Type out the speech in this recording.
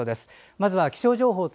まずは気象情報です。